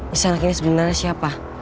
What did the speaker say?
nisanak ini sebenarnya siapa